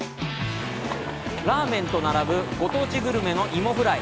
ラーメンと並ぶご当地グルメの「いもフライ」。